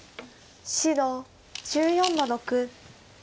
白１４の六。